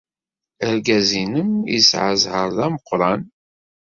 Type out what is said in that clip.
Argaz-nnem yesɛa zzheṛ d ameqran.